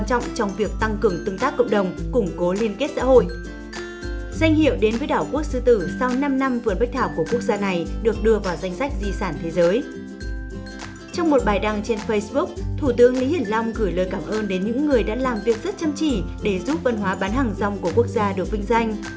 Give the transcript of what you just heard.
trong facebook thủ tướng lý hiển long gửi lời cảm ơn đến những người đã làm việc rất chăm chỉ để giúp văn hóa bán hàng rong của quốc gia được vinh danh